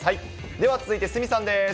では続いて鷲見さんです。